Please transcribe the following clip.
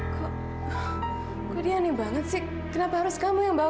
sampai jumpa di video selanjutnya